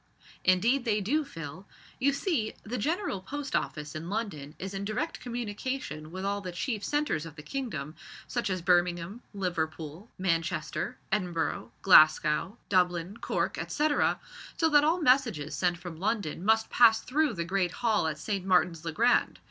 "Indeed they do, Phil. You see, the General Post Office in London is in direct communication with all the chief centres of the kingdom, such as Birmingham, Liverpool, Manchester, Edinburgh, Glasgow, Dublin, Cork, etcetera, so that all messages sent from London must pass through the great hall at St. Martin's le Grand.